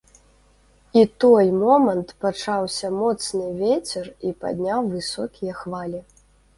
І той момант пачаўся моцны вецер і падняў высокія хвалі.